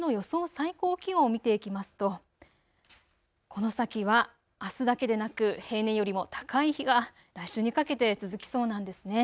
最高気温を見ていきますとこの先はあすだけでなく平年よりも高い日が来週にかけて続きそうなんですね。